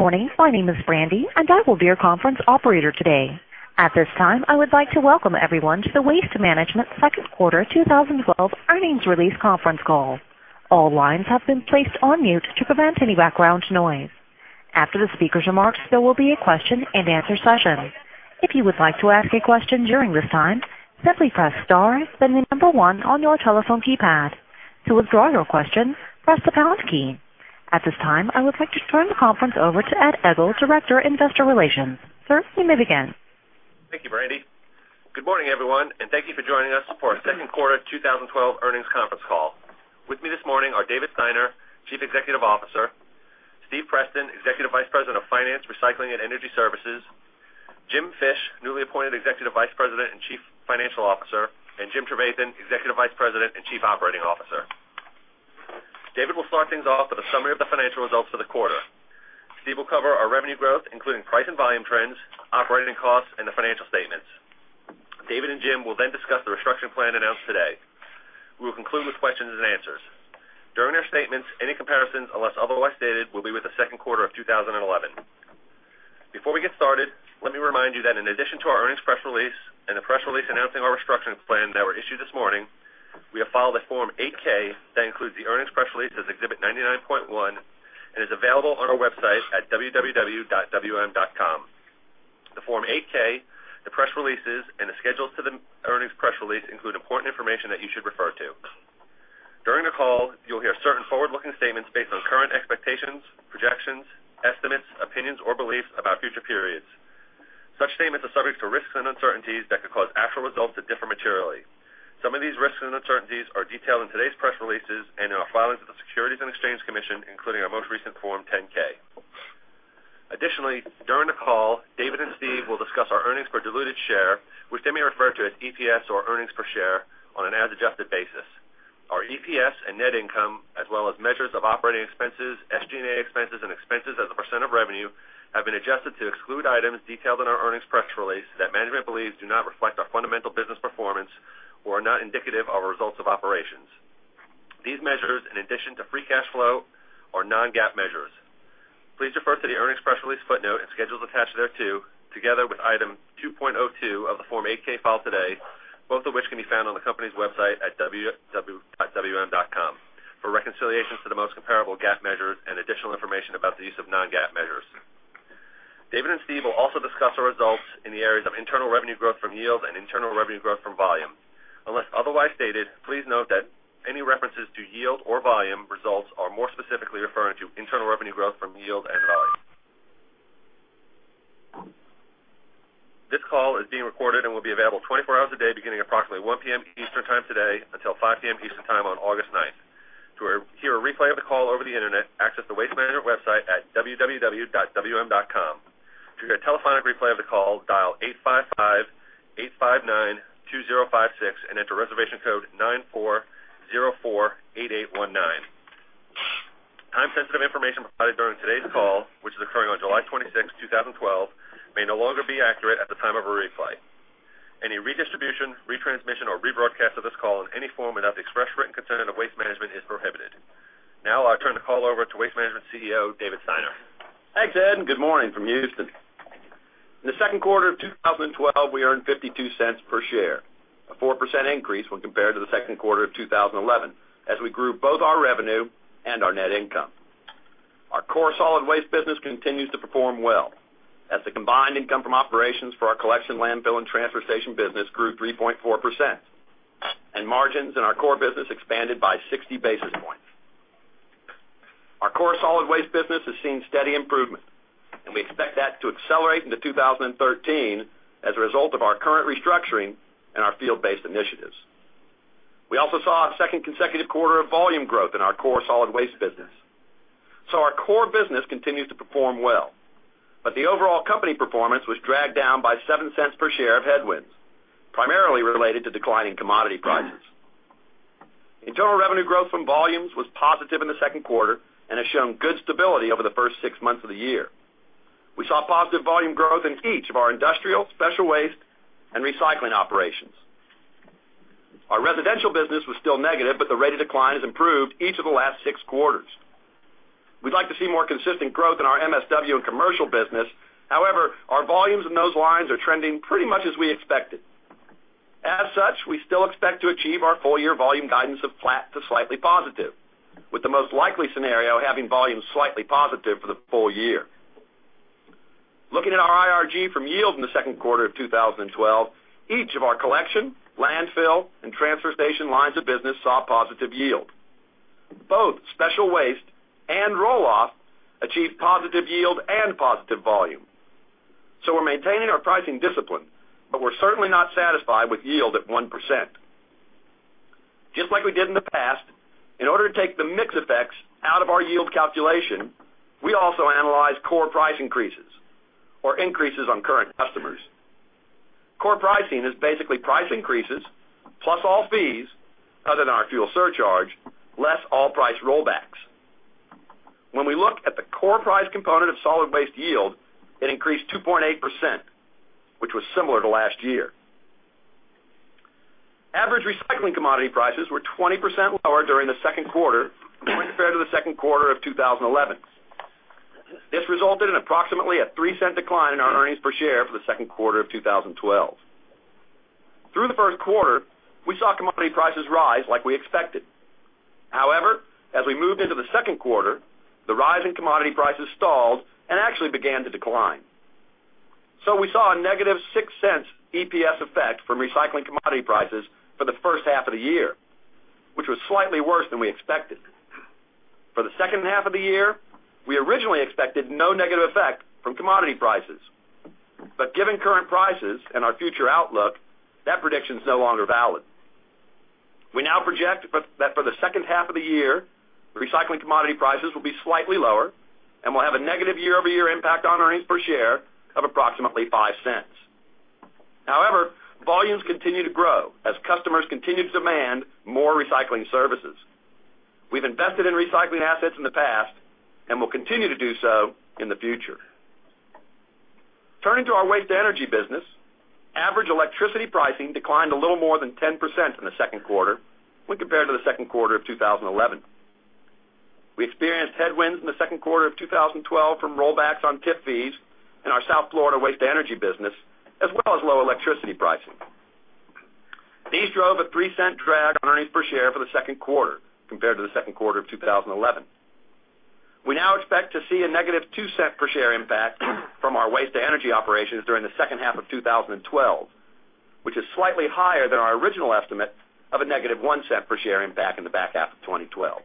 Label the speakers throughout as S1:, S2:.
S1: Good morning. My name is Brandy, and I will be your conference operator today. At this time, I would like to welcome everyone to the Waste Management second quarter 2012 earnings release conference call. All lines have been placed on mute to prevent any background noise. After the speaker's remarks, there will be a question and answer session. If you would like to ask a question during this time, simply press star, then the number one on your telephone keypad. To withdraw your question, press the pound key. At this time, I would like to turn the conference over to Ed Egl, Director, Investor Relations. Sir, you may begin.
S2: Thank you, Brandy. Good morning, everyone. Thank you for joining us for our second quarter 2012 earnings conference call. With me this morning are David Steiner, Chief Executive Officer, Steve Preston, Executive Vice President of Finance, Recycling and Energy Services, Jim Fish, newly appointed Executive Vice President and Chief Financial Officer, and Jim Trevathan, Executive Vice President and Chief Operating Officer. David will start things off with a summary of the financial results for the quarter. Steve will cover our revenue growth, including price and volume trends, operating costs, and the financial statements. David and Jim will then discuss the restructuring plan announced today. We will conclude with questions and answers. During our statements, any comparisons, unless otherwise stated, will be with the second quarter of 2011. Before we get started, let me remind you that in addition to our earnings press release and the press release announcing our restructuring plan that were issued this morning, we have filed a Form 8-K that includes the earnings press release as Exhibit 99.1 and is available on our website at www.wm.com. The Form 8-K, the press releases, and the schedules to the earnings press release include important information that you should refer to. During the call, you'll hear certain forward-looking statements based on current expectations, projections, estimates, opinions, or beliefs about future periods. Such statements are subject to risks and uncertainties that could cause actual results to differ materially. Some of these risks and uncertainties are detailed in today's press releases and in our filings with the Securities and Exchange Commission, including our most recent Form 10-K. Additionally, during the call, David and Steve will discuss our earnings per diluted share, which they may refer to as EPS, or earnings per share, on an as-adjusted basis. Our EPS and net income, as well as measures of operating expenses, SG&A expenses, and expenses as a % of revenue, have been adjusted to exclude items detailed in our earnings press release that management believes do not reflect our fundamental business performance or are not indicative of our results of operations. These measures, in addition to free cash flow, are non-GAAP measures. Please refer to the earnings press release footnote and schedules attached thereto, together with Item 2.02 of the Form 8-K filed today, both of which can be found on the company's website at www.wm.com for reconciliations to the most comparable GAAP measures and additional information about the use of non-GAAP measures. David and Steve will also discuss our results in the areas of internal revenue growth from yield and internal revenue growth from volume. Unless otherwise stated, please note that any references to yield or volume results are more specifically referring to internal revenue growth from yield and volume. This call is being recorded and will be available 24 hours a day beginning approximately 1:00 P.M. Eastern Time today until 5:00 P.M. Eastern Time on August 9th. To hear a replay of the call over the Internet, access the Waste Management website at www.wm.com. To hear a telephonic replay of the call, dial 855-859-2056 and enter reservation code 94048819. Time-sensitive information provided during today's call, which is occurring on July 26th, 2012, may no longer be accurate at the time of a replay. Any redistribution, retransmission, or rebroadcast of this call in any form without the express written consent of Waste Management is prohibited. I'll turn the call over to Waste Management CEO, David Steiner.
S3: Thanks, Ed. Good morning from Houston. In the second quarter of 2012, we earned $0.52 per share, a 4% increase when compared to the second quarter of 2011, as we grew both our revenue and our net income. Our core solid waste business continues to perform well as the combined income from operations for our collection landfill and transfer station business grew 3.4%, and margins in our core business expanded by 60 basis points. Our core solid waste business has seen steady improvement, and we expect that to accelerate into 2013 as a result of our current restructuring and our field-based initiatives. We also saw a second consecutive quarter of volume growth in our core solid waste business. Our core business continues to perform well, but the overall company performance was dragged down by $0.07 per share of headwinds, primarily related to declining commodity prices. Internal revenue growth from volumes was positive in the second quarter and has shown good stability over the first six months of the year. We saw positive volume growth in each of our industrial, special waste, and recycling operations. Our residential business was still negative, but the rate of decline has improved each of the last six quarters. We'd like to see more consistent growth in our MSW and commercial business. However, our volumes in those lines are trending pretty much as we expected. As such, we still expect to achieve our full-year volume guidance of flat to slightly positive, with the most likely scenario having volumes slightly positive for the full year. Looking at our IRG from yield in the second quarter of 2012, each of our collection, landfill, and transfer station lines of business saw positive yield. Both special waste and roll-off achieved positive yield and positive volume. We're maintaining our pricing discipline, but we're certainly not satisfied with yield at 1%. Just like we did in the past, in order to take the mix effects out of our yield calculation, we also analyzed core price increases or increases on current customers. Core pricing is basically price increases plus all fees, other than our fuel surcharge, less all price rollbacks. When we look at the core price component of solid waste yield, it increased 2.8%, which was similar to last year. Average recycling commodity prices were 20% lower during the second quarter when compared to the second quarter of 2011. This resulted in approximately a $0.03 decline in our earnings per share for the second quarter of 2012. Through the first quarter, we saw commodity prices rise like we expected. As we moved into the second quarter, the rise in commodity prices stalled and actually began to decline. We saw a negative $0.06 EPS effect from recycling commodity prices for the first half of the year, which was slightly worse than we expected. For the second half of the year, we originally expected no negative effect from commodity prices, but given current prices and our future outlook, that prediction is no longer valid. We now project that for the second half of the year, recycling commodity prices will be slightly lower and will have a negative year-over-year impact on earnings per share of approximately $0.05. Volumes continue to grow as customers continue to demand more recycling services. We've invested in recycling assets in the past and will continue to do so in the future. Turning to our waste-to-energy business, average electricity pricing declined a little more than 10% in the second quarter when compared to the second quarter of 2011. We experienced headwinds in the second quarter of 2012 from rollbacks on tip fees in our South Florida waste-to-energy business, as well as low electricity pricing. These drove a $0.03 drag on earnings per share for the second quarter compared to the second quarter of 2011. We now expect to see a negative $0.02 per share impact from our waste-to-energy operations during the second half of 2012, which is slightly higher than our original estimate of a negative $0.01 per share impact in the back half of 2012.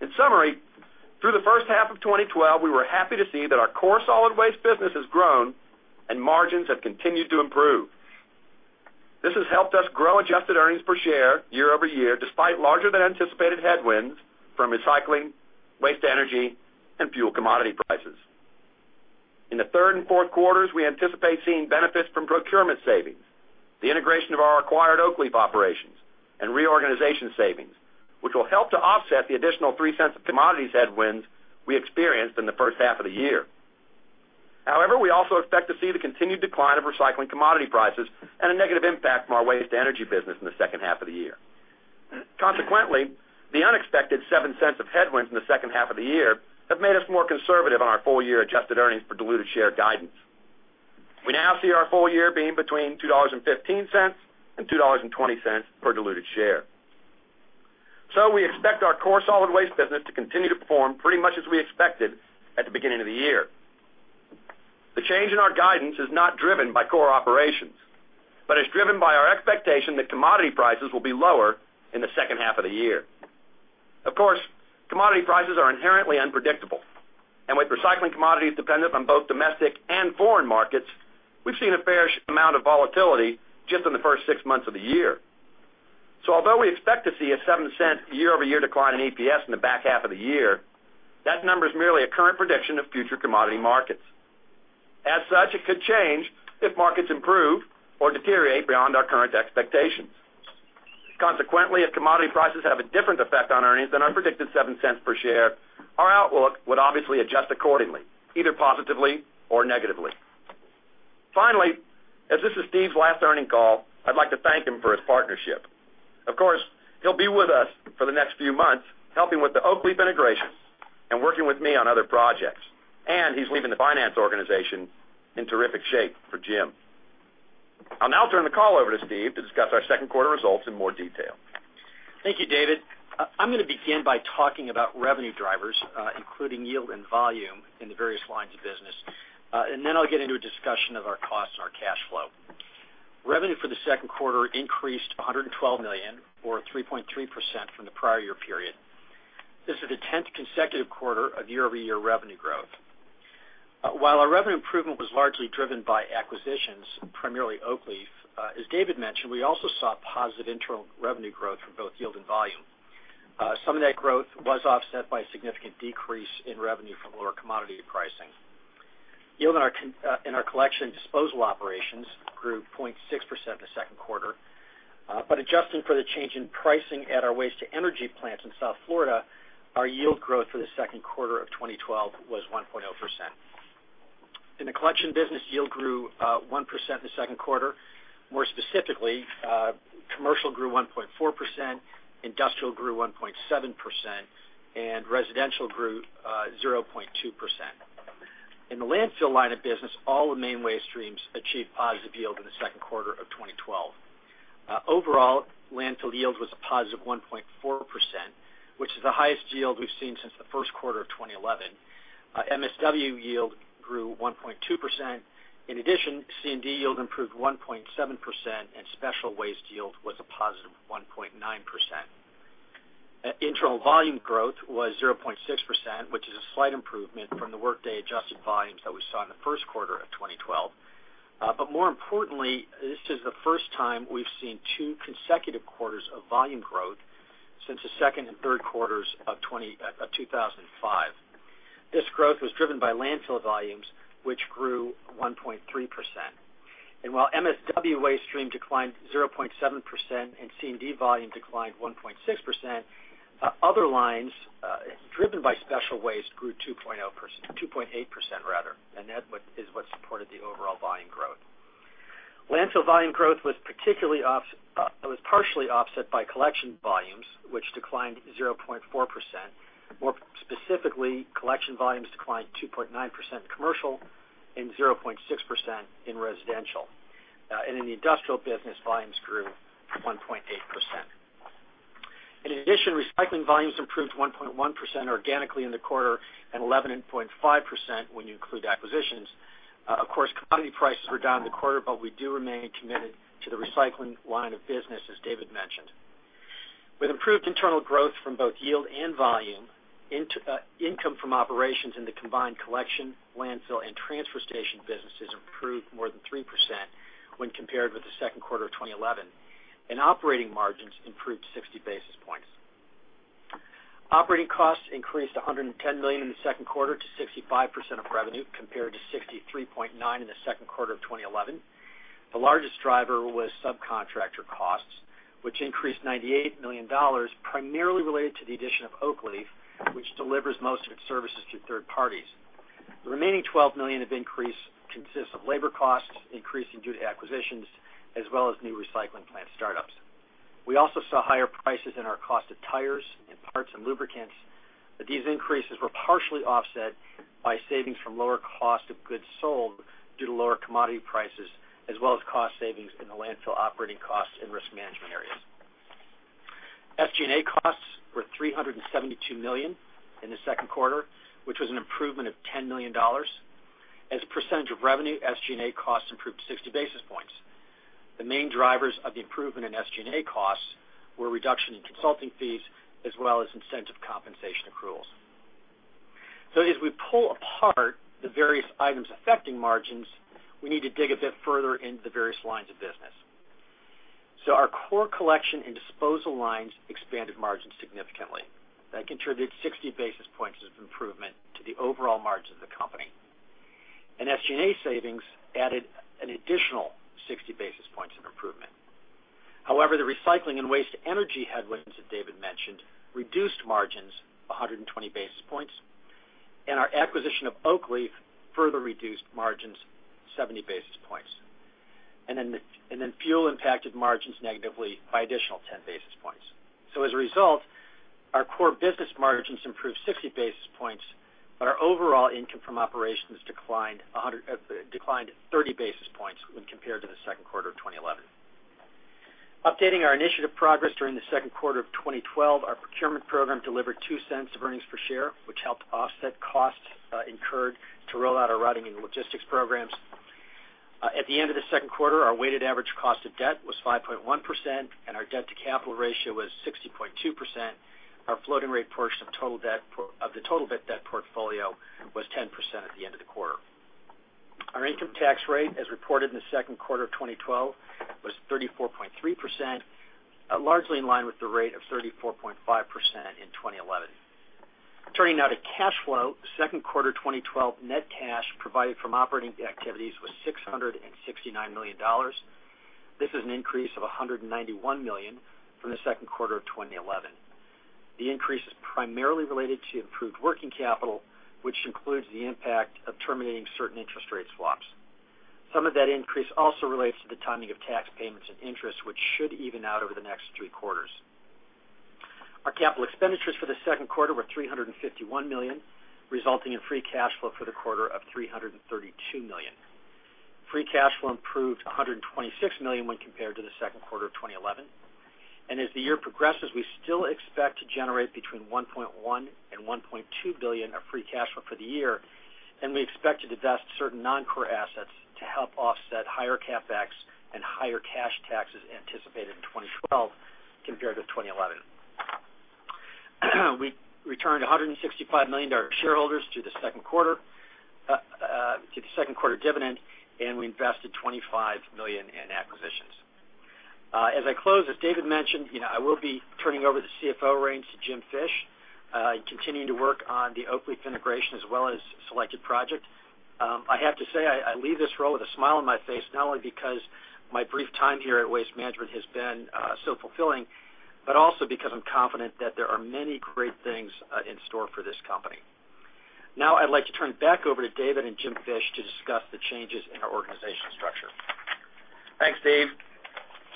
S3: In summary, through the first half of 2012, we were happy to see that our core solid waste business has grown and margins have continued to improve. This has helped us grow adjusted earnings per share year-over-year, despite larger than anticipated headwinds from recycling, waste-to-energy, and fuel commodity prices. In the third and fourth quarters, we anticipate seeing benefits from procurement savings, the integration of our acquired Oakleaf operations, and reorganization savings, which will help to offset the additional $0.03 of commodities headwinds we experienced in the first half of the year. We also expect to see the continued decline of recycling commodity prices and a negative impact from our waste-to-energy business in the second half of the year. The unexpected $0.07 of headwinds in the second half of the year have made us more conservative on our full-year adjusted earnings per diluted share guidance. We now see our full year being between $2.15 and $2.20 per diluted share. We expect our core solid waste business to continue to perform pretty much as we expected at the beginning of the year. The change in our guidance is not driven by core operations, but is driven by our expectation that commodity prices will be lower in the second half of the year. Of course, commodity prices are inherently unpredictable, and with recycling commodities dependent on both domestic and foreign markets, we've seen a fair amount of volatility just in the first six months of the year. Although we expect to see a $0.07 year-over-year decline in EPS in the back half of the year, that number is merely a current prediction of future commodity markets. As such, it could change if markets improve or deteriorate beyond our current expectations. Consequently, if commodity prices have a different effect on earnings than our predicted $0.07 per share, our outlook would obviously adjust accordingly, either positively or negatively. Finally, as this is Steve's last earning call, I'd like to thank him for his partnership. Of course, he'll be with us for the next few months, helping with the Oakleaf integration and working with me on other projects, and he's leaving the finance organization in terrific shape for Jim. I'll now turn the call over to Steve to discuss our second quarter results in more detail.
S4: Thank you, David. I'm going to begin by talking about revenue drivers, including yield and volume in the various lines of business. Then I'll get into a discussion of our costs and our cash flow. Revenue for the second quarter increased $112 million or 3.3% from the prior year period. This is the 10th consecutive quarter of year-over-year revenue growth. While our revenue improvement was largely driven by acquisitions, primarily Oakleaf, as David mentioned, we also saw positive internal revenue growth from both yield and volume. Some of that growth was offset by a significant decrease in revenue from lower commodity pricing. Yield in our collection and disposal operations grew 0.6% in the second quarter. Adjusting for the change in pricing at our waste-to-energy plants in South Florida, our yield growth for the second quarter of 2012 was 1.0%. In the collection business, yield grew 1% in the second quarter. More specifically, commercial grew 1.4%, industrial grew 1.7%, and residential grew 0.2%. In the landfill line of business, all the main waste streams achieved positive yield in the second quarter of 2012. Overall, landfill yield was a positive 1.4%, which is the highest yield we've seen since the first quarter of 2011. MSW yield grew 1.2%. In addition, C&D yield improved 1.7% and special waste yield was a positive 1.9%. Internal volume growth was 0.6%, which is a slight improvement from the workday adjusted volumes that we saw in the first quarter of 2012. More importantly, this is the first time we've seen two consecutive quarters of volume growth since the second and third quarters of 2005. This growth was driven by landfill volumes, which grew 1.3%. While MSW waste stream declined 0.7% and C&D volume declined 1.6%, other lines, driven by special waste, grew 2.8%, and that is what supported the overall volume growth. Landfill volume growth was partially offset by collection volumes, which declined 0.4%. More specifically, collection volumes declined 2.9% commercial and 0.6% in residential. In the industrial business, volumes grew 1.8%. In addition, recycling volumes improved 1.1% organically in the quarter and 11.5% when you include acquisitions. Of course, commodity prices were down in the quarter, but we do remain committed to the recycling line of business, as David mentioned. With improved internal growth from both yield and volume, income from operations in the combined collection, landfill and transfer station businesses improved more than 3% when compared with the second quarter of 2011, and operating margins improved 60 basis points. Operating costs increased to $110 million in the second quarter to 65% of revenue, compared to 63.9% in the second quarter of 2011. The largest driver was subcontractor costs, which increased $98 million, primarily related to the addition of Oakleaf, which delivers most of its services through third parties. The remaining $12 million of increase consists of labor costs, increasing due to acquisitions, as well as new recycling plant startups. We also saw higher prices in our cost of tires and parts and lubricants, but these increases were partially offset by savings from lower cost of goods sold due to lower commodity prices, as well as cost savings in the landfill operating costs and risk management areas. SG&A costs were $372 million in the second quarter, which was an improvement of $10 million. As a percentage of revenue, SG&A costs improved 60 basis points. As we pull apart the various items affecting margins, we need to dig a bit further into the various lines of business. Our core collection and disposal lines expanded margins significantly. That contributed 60 basis points of improvement to the overall margin of the company, and SG&A savings added an additional 60 basis points of improvement. However, the recycling and waste-to-energy headwinds that David mentioned reduced margins 120 basis points, and our acquisition of Oakleaf further reduced margins 70 basis points. Fuel impacted margins negatively by additional 10 basis points. As a result, our core business margins improved 60 basis points, but our overall income from operations declined 30 basis points when compared to the second quarter of 2011. Updating our initiative progress during the second quarter of 2012, our procurement program delivered $0.02 of earnings per share, which helped offset costs incurred to roll out our routing and logistics programs. At the end of the second quarter, our weighted average cost of debt was 5.1%, and our debt to capital ratio was 60.2%. Our floating rate portion of the total debt portfolio was 10% at the end of the quarter. Our income tax rate, as reported in the second quarter of 2012, was 34.3%, largely in line with the rate of 34.5% in 2011. Turning now to cash flow, second quarter 2012 net cash provided from operating activities was $669 million. This is an increase of $191 million from the second quarter of 2011. The increase is primarily related to improved working capital, which includes the impact of terminating certain interest rate swaps. Some of that increase also relates to the timing of tax payments and interest, which should even out over the next three quarters. Our capital expenditures for the second quarter were $351 million, resulting in free cash flow for the quarter of $332 million. Free cash flow improved to $126 million when compared to the second quarter of 2011. As the year progresses, we still expect to generate between $1.1 billion and $1.2 billion of free cash flow for the year. We expect to divest certain non-core assets to help offset higher CapEx and higher cash taxes anticipated in 2012 compared to 2011. We returned $165 million to our shareholders through the second quarter dividend, and we invested $25 million in acquisitions. As I close, as David mentioned, I will be turning over the CFO reins to Jim Fish and continuing to work on the Oakleaf integration, as well as selected projects. I have to say, I leave this role with a smile on my face, not only because my brief time here at Waste Management has been so fulfilling, but also because I'm confident that there are many great things in store for this company. Now, I'd like to turn back over to David and Jim Fish to discuss the changes in our organizational structure.
S3: Thanks, Steve.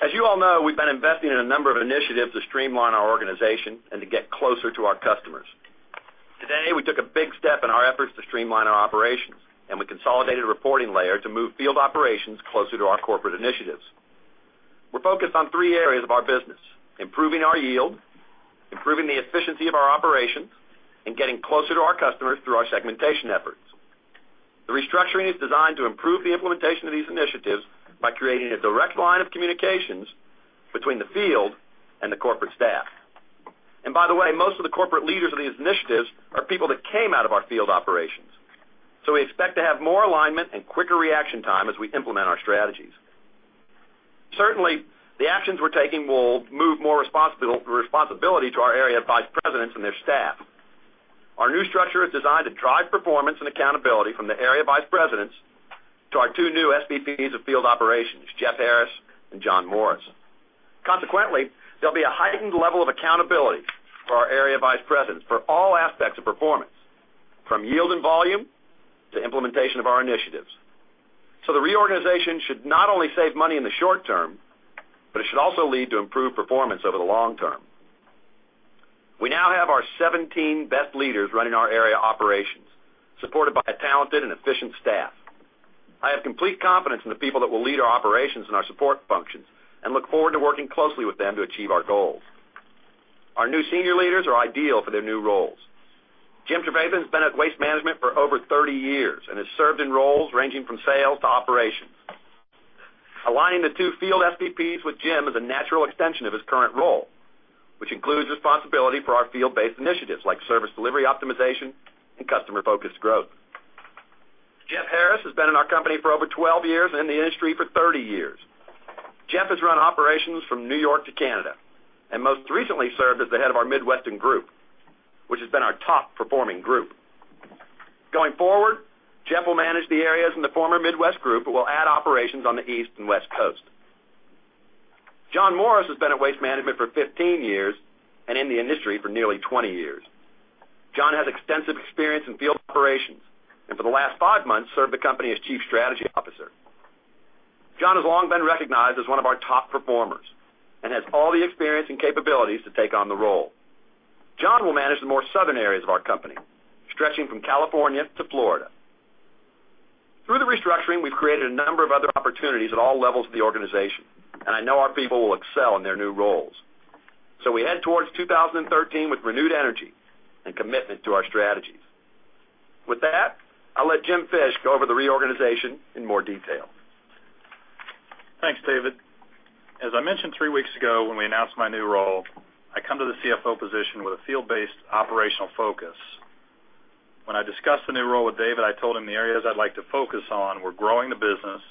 S3: As you all know, we've been investing in a number of initiatives to streamline our organization and to get closer to our customers. Today, we took a big step in our efforts to streamline our operations, and we consolidated a reporting layer to move field operations closer to our corporate initiatives. We're focused on three areas of our business: improving our yield, improving the efficiency of our operations, and getting closer to our customers through our segmentation efforts. The restructuring is designed to improve the implementation of these initiatives by creating a direct line of communications between the field and the corporate staff. By the way, most of the corporate leaders of these initiatives are people that came out of our field operations. We expect to have more alignment and quicker reaction time as we implement our strategies. Certainly, the actions we're taking will move more responsibility to our area vice presidents and their staff. Our new structure is designed to drive performance and accountability from the area vice presidents to our two new SVPs of field operations, Jeff Harris and John Morris. Consequently, there'll be a heightened level of accountability for our area vice presidents for all aspects of performance, from yield and volume to implementation of our initiatives. The reorganization should not only save money in the short term, but it should also lead to improved performance over the long term. We now have our 17 best leaders running our area operations, supported by a talented and efficient staff. I have complete confidence in the people that will lead our operations and our support functions, and look forward to working closely with them to achieve our goals. Our new senior leaders are ideal for their new roles. Jim Trevathan's been at Waste Management for over 30 years and has served in roles ranging from sales to operations. Aligning the two field SVPs with Jim is a natural extension of his current role, which includes responsibility for our field-based initiatives like service delivery optimization and customer-focused growth. Jeff Harris has been in our company for over 12 years and in the industry for 30 years. Jeff has run operations from New York to Canada, and most recently served as the head of our Midwestern group, which has been our top-performing group. Going forward, Jeff will manage the areas in the former Midwest group but will add operations on the East Coast and West Coast. John Morris has been at Waste Management for 15 years and in the industry for nearly 20 years. John has extensive experience in field operations, and for the last five months, served the company as chief strategy officer. John has long been recognized as one of our top performers and has all the experience and capabilities to take on the role. John will manage the more southern areas of our company, stretching from California to Florida. Through the restructuring, we've created a number of other opportunities at all levels of the organization, and I know our people will excel in their new roles. We head towards 2013 with renewed energy and commitment to our strategies. I'll let Jim Fish go over the reorganization in more detail.
S5: Thanks, David. As I mentioned three weeks ago when we announced my new role, I come to the CFO position with a field-based operational focus. When I discussed the new role with David, I told him the areas I'd like to focus on were growing the business,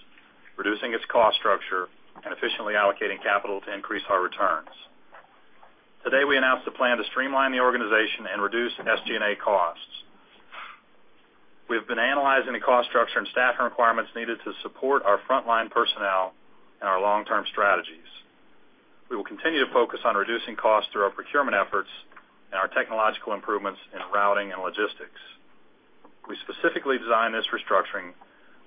S5: reducing its cost structure, and efficiently allocating capital to increase our returns. Today, we announced a plan to streamline the organization and reduce SG&A costs. We have been analyzing the cost structure and staffing requirements needed to support our frontline personnel and our long-term strategies. We will continue to focus on reducing costs through our procurement efforts and our technological improvements in routing and logistics. We specifically designed this restructuring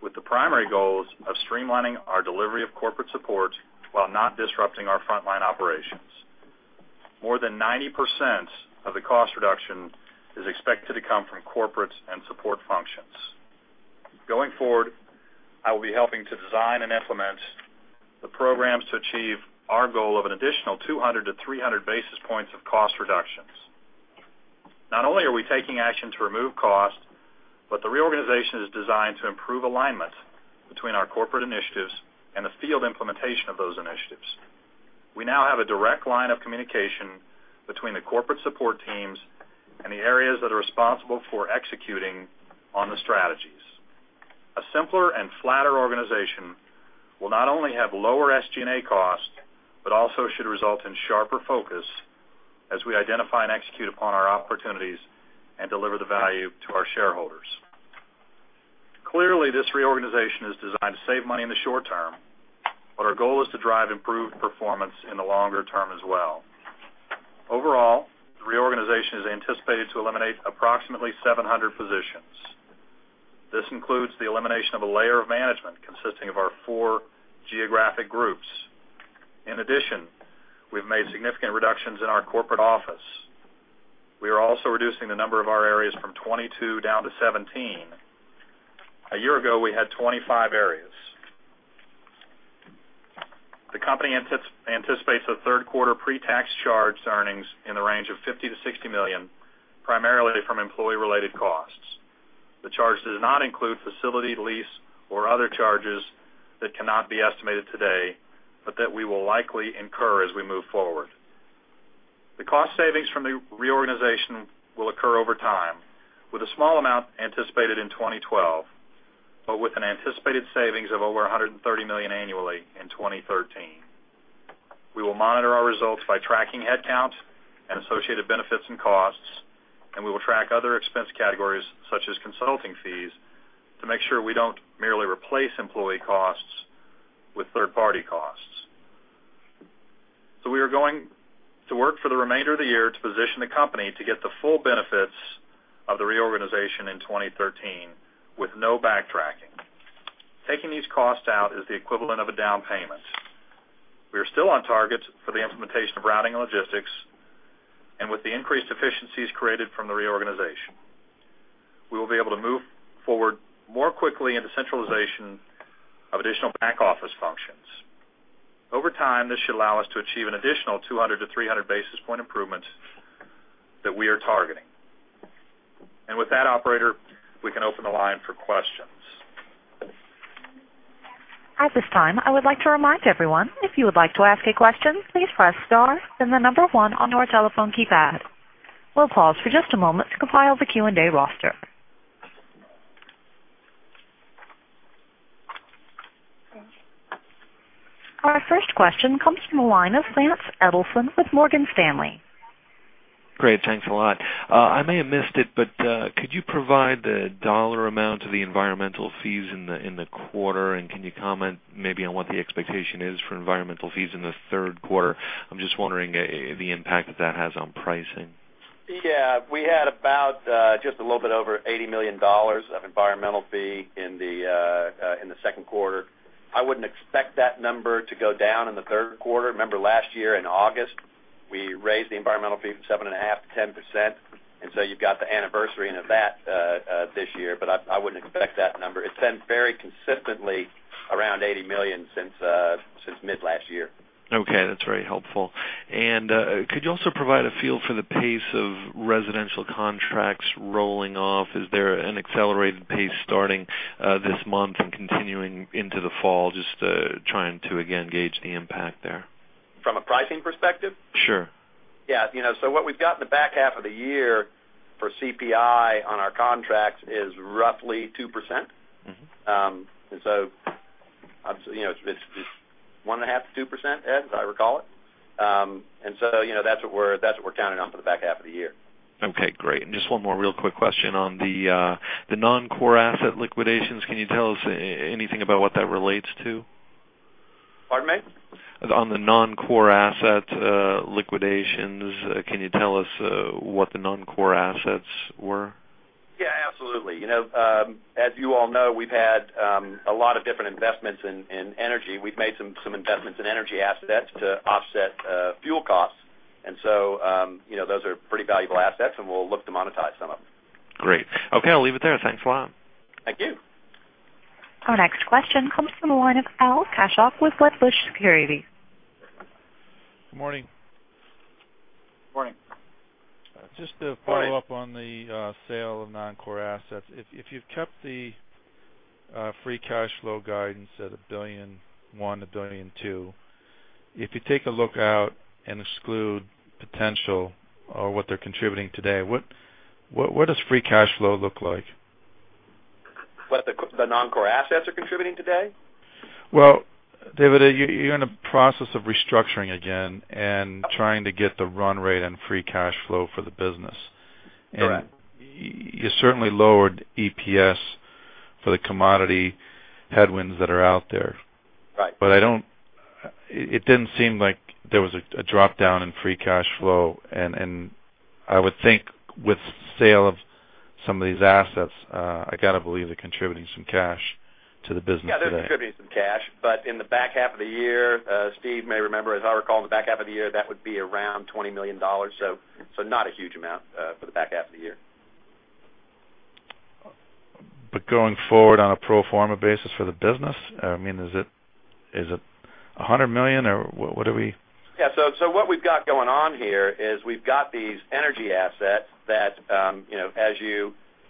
S5: with the primary goals of streamlining our delivery of corporate support while not disrupting our frontline operations. More than 90% of the cost reduction is expected to come from corporate and support functions. Going forward, I will be helping to design and implement the programs to achieve our goal of an additional 200 to 300 basis points of cost reductions. Not only are we taking action to remove cost, but the reorganization is designed to improve alignment between our corporate initiatives and the field implementation of those initiatives. We now have a direct line of communication between the corporate support teams and the areas that are responsible for executing on the strategies. A simpler and flatter organization will not only have lower SG&A cost, but also should result in sharper focus as we identify and execute upon our opportunities and deliver the value to our shareholders. Clearly, this reorganization is designed to save money in the short term, but our goal is to drive improved performance in the longer term as well. Overall, the reorganization is anticipated to eliminate approximately 700 positions. This includes the elimination of a layer of management consisting of our four geographic groups. In addition, we've made significant reductions in our corporate office. We are also reducing the number of our areas from 22 down to 17. A year ago, we had 25 areas. The company anticipates a third quarter pre-tax charge to earnings in the range of $50 million-$60 million, primarily from employee-related costs. The charge does not include facility lease or other charges that cannot be estimated today, but that we will likely incur as we move forward. The cost savings from the reorganization will occur over time, with a small amount anticipated in 2012, but with an anticipated savings of over $130 million annually in 2013. We will monitor our results by tracking headcount and associated benefits and costs, and we will track other expense categories such as consulting fees to make sure we don't merely replace employee costs with third-party costs. We are going to work for the remainder of the year to position the company to get the full benefits of the reorganization in 2013 with no backtracking. Taking these costs out is the equivalent of a down payment. We are still on target for the implementation of routing and logistics, and with the increased efficiencies created from the reorganization. We will be able to move forward more quickly in the centralization of additional back-office functions. Over time, this should allow us to achieve an additional 200-300 basis point improvements that we are targeting. With that, operator, we can open the line for questions.
S1: At this time, I would like to remind everyone, if you would like to ask a question, please press star, then the number 1 on your telephone keypad. We'll pause for just a moment to compile the Q&A roster. Our first question comes from the line of Vance Edelson with Morgan Stanley.
S6: Great. Thanks a lot. I may have missed it, but could you provide the dollar amount of the environmental fees in the quarter? Can you comment maybe on what the expectation is for environmental fees in the third quarter? I'm just wondering the impact that has on pricing.
S3: Yeah. We had about just a little bit over $80 million of environmental fee in the second quarter. I wouldn't expect that number to go down in the third quarter. Remember, last year in August, we raised the environmental fee from 7.5% to 10%. You've got the anniversary into that this year. I wouldn't expect that number. It's been very consistently around $80 million since mid last year.
S6: Okay. That's very helpful. Could you also provide a feel for the pace of residential contracts rolling off? Is there an accelerated pace starting this month and continuing into the fall? Just trying to, again, gauge the impact there.
S3: From a pricing perspective?
S6: Sure.
S3: Yeah. What we've got in the back half of the year for CPI on our contracts is roughly 2%.
S4: It's 1.5%-2%, Ed, as I recall it. That's what we're counting on for the back half of the year.
S6: Okay, great. Just one more real quick question on the non-core asset liquidations. Can you tell us anything about what that relates to?
S3: Pardon me?
S6: On the non-core asset liquidations, can you tell us what the non-core assets were?
S3: Yeah, absolutely. As you all know, we've had a lot of different investments in energy. We've made some investments in energy assets to offset fuel costs. So those are pretty valuable assets, and we'll look to monetize some of them.
S6: Great. Okay, I'll leave it there. Thanks a lot.
S3: Thank you.
S1: Our next question comes from the line of Al Kaschalk with Wedbush Securities.
S7: Good morning.
S3: Morning.
S7: Just to follow up on the sale of non-core assets. If you've kept the free cash flow guidance at $1.1 billion, $1.2 billion, if you take a look out and exclude potential or what they're contributing today, what does free cash flow look like?
S3: What the non-core assets are contributing today?
S7: Well, David, you're in a process of restructuring again and trying to get the run rate and free cash flow for the business.
S3: Correct.
S7: You certainly lowered EPS for the commodity headwinds that are out there.
S3: Right.
S7: It didn't seem like there was a drop down in free cash flow. I would think with sale of some of these assets, I got to believe they're contributing some cash to the business today.
S3: Yeah, they're contributing some cash. In the back half of the year, Steve may remember, as I recall, in the back half of the year, that would be around $20 million. Not a huge amount for the back half of the year.
S7: Going forward on a pro forma basis for the business, is it $100 million or what are we?
S3: Yeah. What we've got going on here is we've got these energy assets that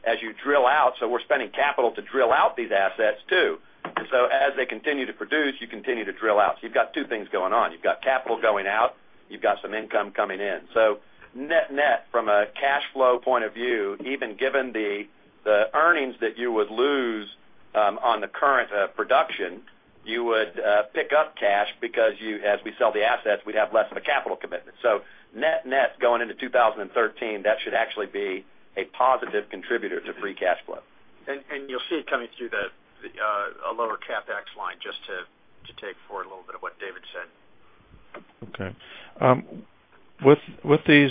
S3: as you drill out, we're spending capital to drill out these assets, too. As they continue to produce, you continue to drill out. You've got two things going on. You've got capital going out, you've got some income coming in. Net net, from a cash flow point of view, even given the earnings that you would lose on the current production, you would pick up cash because as we sell the assets, we'd have less of a capital commitment. Net net, going into 2013, that should actually be a positive contributor to free cash flow.
S4: You'll see it coming through a lower CapEx line, just to take forward a little bit of what David said.
S7: Okay. With these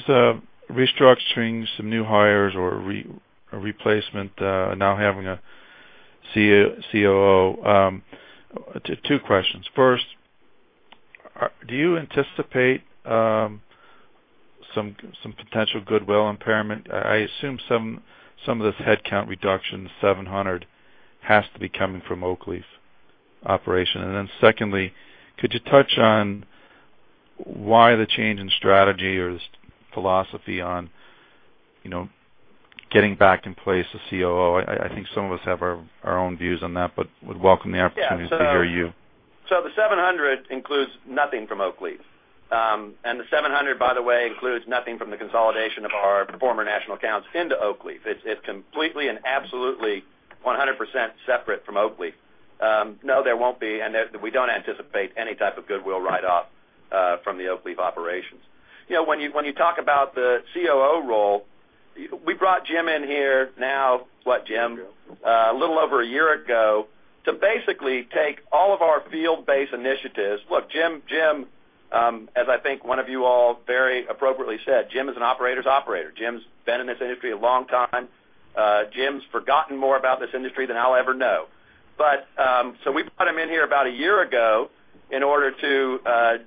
S7: restructurings, some new hires or a replacement, now having a COO. Two questions. First, do you anticipate some potential goodwill impairment? I assume some of this headcount reduction, the 700, has to be coming from Oakleaf operation. Secondly, could you touch on why the change in strategy or philosophy on getting back in place a COO? I think some of us have our own views on that, but would welcome the opportunity to hear you.
S3: The 700 includes nothing from Oakleaf. The 700, by the way, includes nothing from the consolidation of our former national accounts into Oakleaf. It's completely and absolutely 100% separate from Oakleaf. No, there won't be, and we don't anticipate any type of goodwill write-off from the Oakleaf operations. When you talk about the COO role, we brought Jim in here now, what, Jim? A little over a year ago to basically take all of our field-based initiatives. Look, Jim, as I think one of you all very appropriately said, Jim is an operator's operator. Jim's been in this industry a long time. Jim's forgotten more about this industry than I'll ever know. We brought him in here about a year ago in order to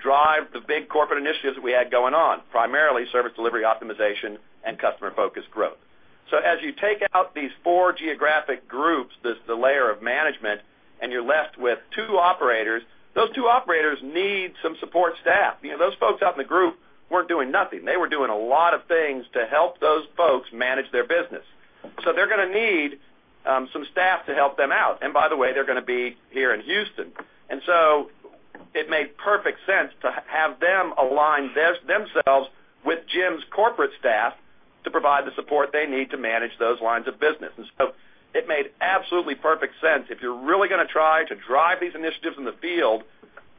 S3: drive the big corporate initiatives that we had going on, primarily service delivery optimization and customer-focused growth. As you take out these four geographic groups, the layer of management, and you're left with two operators, those two operators need some support staff. Those folks out in the group weren't doing nothing. They were doing a lot of things to help those folks manage their business. They're going to need some staff to help them out. By the way, they're going to be here in Houston. It made perfect sense to have them align themselves with Jim's corporate staff to provide the support they need to manage those lines of business. It made absolutely perfect sense. If you're really going to try to drive these initiatives in the field,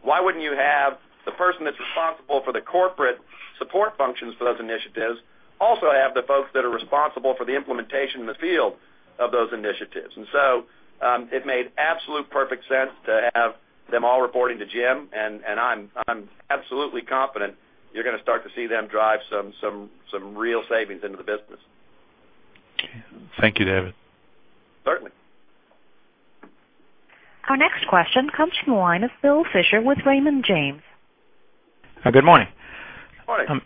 S3: why wouldn't you have the person that's responsible for the corporate support functions for those initiatives, also have the folks that are responsible for the implementation in the field of those initiatives? It made absolute perfect sense to have them all reporting to Jim, and I'm absolutely confident you're going to start to see them drive some real savings into the business.
S7: Thank you, David.
S3: Certainly.
S1: Our next question comes from the line of Bill Fisher with Raymond James.
S8: Good morning.
S3: Morning.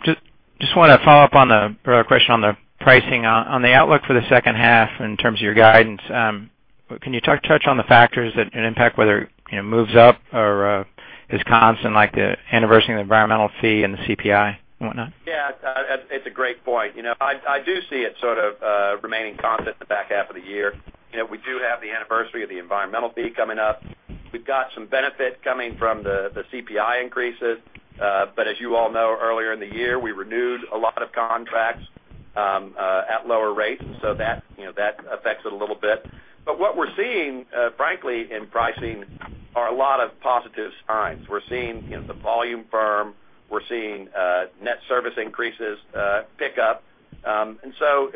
S8: Just want to follow up on the earlier question on the pricing. On the outlook for the second half in terms of your guidance, can you touch on the factors that can impact whether it moves up or is constant, like the anniversary of the environmental fee and the CPI and whatnot?
S3: Yeah. It's a great point. I do see it sort of remaining constant in the back half of the year. We do have the anniversary of the environmental fee coming up. We've got some benefit coming from the CPI increases. As you all know, earlier in the year, we renewed a lot of contracts at lower rates, so that affects it a little bit. What we're seeing, frankly, in pricing are a lot of positive signs. We're seeing the volume firm. We're seeing net service increases pick up. So,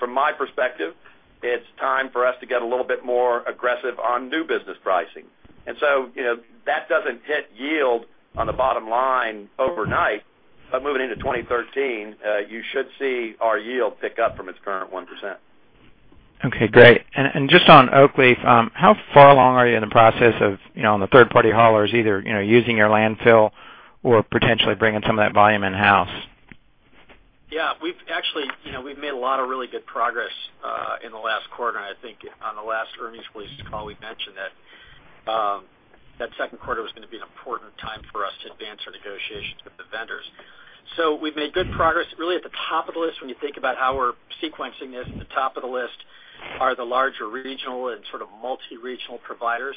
S3: from my perspective, it's time for us to get a little bit more aggressive on new business pricing. So, that doesn't hit yield on the bottom line overnight. Moving into 2013, you should see our yield pick up from its current 1%.
S8: Okay, great. Just on Oakleaf, how far along are you in the process of on the third-party haulers either using your landfill or potentially bringing some of that volume in-house?
S4: Yeah, we've made a lot of really good progress in the last quarter, and I think on the last earnings release call, we mentioned that that second quarter was going to be an important time for us to advance our negotiations with the vendors. We've made good progress. Really at the top of the list when you think about how we're sequencing this, at the top of the list are the larger regional and sort of multi-regional providers.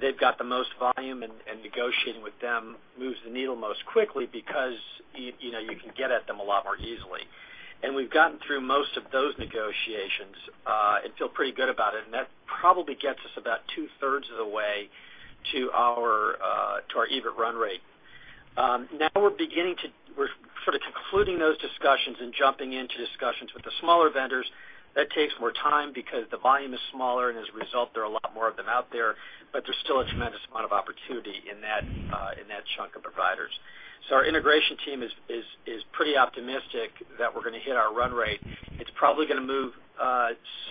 S4: They've got the most volume, and negotiating with them moves the needle most quickly because you can get at them a lot more easily. We've gotten through most of those negotiations, and feel pretty good about it, and that probably gets us about two-thirds of the way to our EBIT run rate. Now we're sort of concluding those discussions and jumping into discussions with the smaller vendors. That takes more time because the volume is smaller, and as a result, there are a lot more of them out there, but there's still a tremendous amount of opportunity in that chunk of providers. Our integration team is pretty optimistic that we're going to hit our run rate. It's probably going to move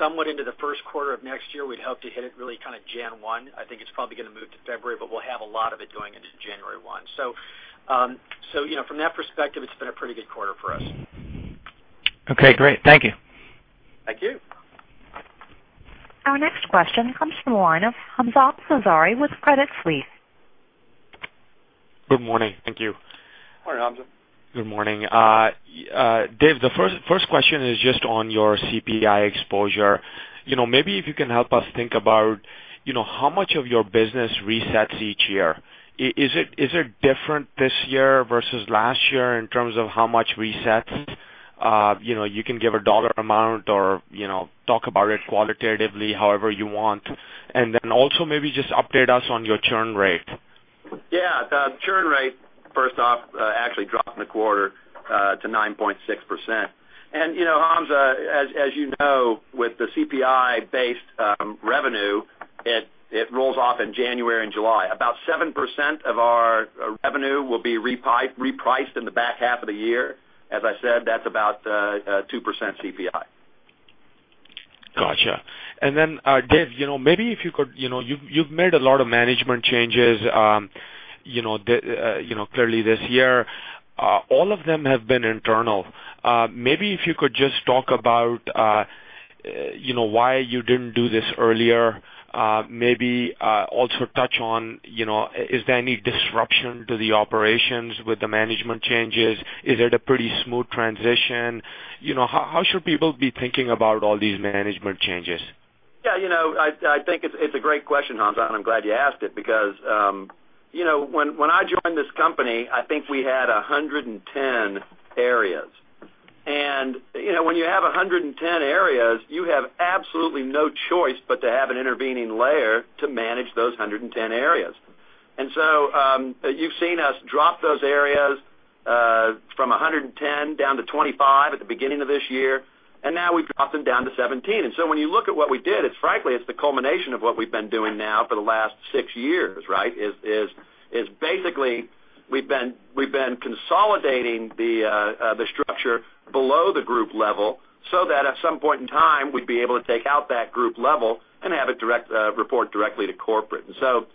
S4: somewhat into the first quarter of next year. We'd hoped to hit it really kind of January 1. I think it's probably going to move to February, but we'll have a lot of it going into January 1. From that perspective, it's been a pretty good quarter for us.
S8: Okay, great. Thank you.
S4: Thank you.
S1: Our next question comes from the line of Hamzah Mazari with Credit Suisse.
S9: Good morning. Thank you.
S3: Morning, Hamzah.
S9: Good morning. Dave, the first question is just on your CPI exposure. Maybe if you can help us think about how much of your business resets each year. Is it different this year versus last year in terms of how much resets? You can give a dollar amount or talk about it qualitatively however you want. Also maybe just update us on your churn rate.
S3: Yeah. The churn rate, first off, actually dropped in the quarter to 9.6%. Hamzah, as you know, with the CPI-based revenue, it rolls off in January and July. About 7% of our revenue will be repriced in the back half of the year. As I said, that's about 2% CPI.
S9: Got you. David, you've made a lot of management changes clearly this year. All of them have been internal. Maybe if you could just talk about why you didn't do this earlier. Maybe also touch on, is there any disruption to the operations with the management changes? Is it a pretty smooth transition? How should people be thinking about all these management changes?
S3: Yeah. I think it's a great question, Hamzah, and I'm glad you asked it because when I joined this company, I think we had 110 areas. When you have 110 areas, you have absolutely no choice but to have an intervening layer to manage those 110 areas. So, you've seen us drop those areas from 110 down to 25 at the beginning of this year, and now we've dropped them down to 17. So when you look at what we did, frankly, it's the culmination of what we've been doing now for the last six years, right? Is basically we've been consolidating the structure below the group level so that at some point in time, we'd be able to take out that group level and have it report directly to corporate. To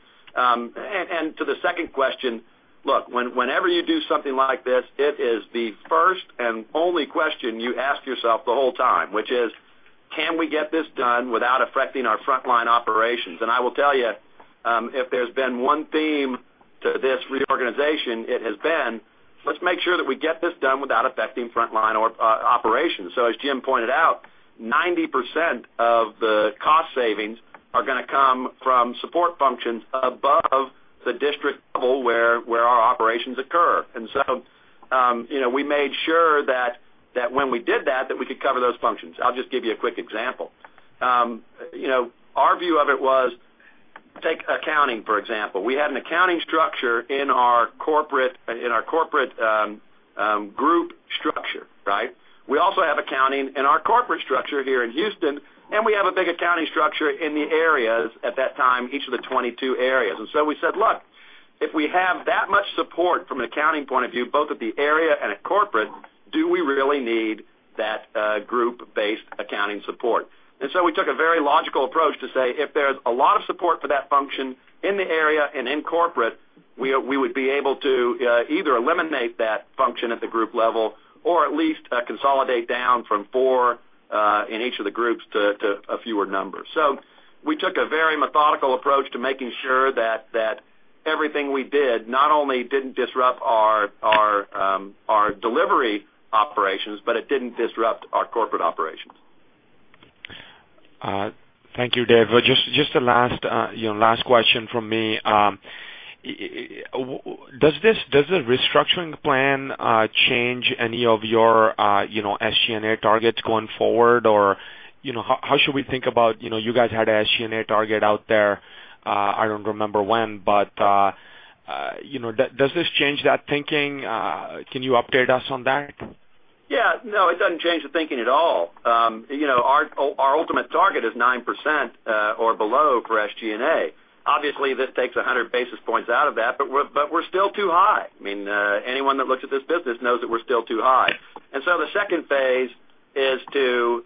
S3: the second question, look, whenever you do something like this, it is the first and only question you ask yourself the whole time, which is, can we get this done without affecting our frontline operations? I will tell you, if there's been one theme to this reorganization, it has been, let's make sure that we get this done without affecting frontline operations. As Jim pointed out, 90% of the cost savings are going to come from support functions above the district level where our operations occur. So, we made sure that when we did that we could cover those functions. I'll just give you a quick example. Our view of it was, take accounting, for example. We had an accounting structure in our corporate group structure. We also have accounting in our corporate structure here in Houston, we have a big accounting structure in the areas at that time, each of the 22 areas. We said, look, if we have that much support from an accounting point of view, both at the area and at corporate, do we really need that group-based accounting support? We took a very logical approach to say, if there's a lot of support for that function in the area and in corporate, we would be able to either eliminate that function at the group level or at least consolidate down from four in each of the groups to a fewer number. We took a very methodical approach to making sure that everything we did not only didn't disrupt our delivery operations, but it didn't disrupt our corporate operations.
S9: Thank you, Dave. Just the last question from me. Does the restructuring plan change any of your SG&A targets going forward? How should we think about, you guys had a SG&A target out there. I don't remember when, but does this change that thinking? Can you update us on that?
S3: No, it doesn't change the thinking at all. Our ultimate target is 9% or below for SG&A. Obviously, this takes 100 basis points out of that, but we're still too high. Anyone that looks at this business knows that we're still too high. The second phase is to